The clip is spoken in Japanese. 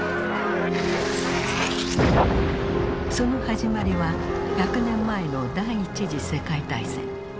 その始まりは１００年前の第一次世界大戦。